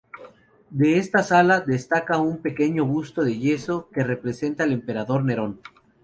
De esta sala, destaca un pequeño busto de yeso que representa al emperador Nerón.